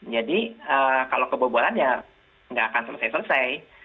jadi kalau kebobolan ya tidak akan selesai selesai